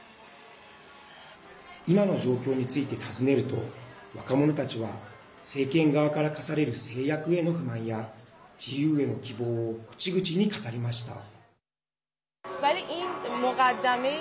今の状況について尋ねると若者たちは政権側から課される制約への不満や自由への希望を口々に語りました。